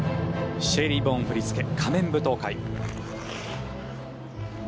シェイリーン・ボーン振り付け、「仮面舞踏会」。